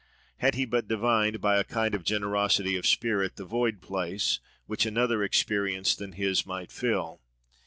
He had but divined, by a kind of generosity of spirit, the void place, which another experience than his must fill.